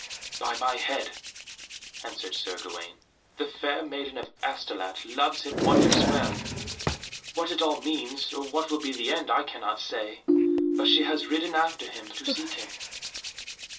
"By my head," answered Sir Gawaine, "the Fair Maiden of Astolat loves him wondrous well. What it all means, or what will be the end, I cannot say, but she has ridden after him to seek him."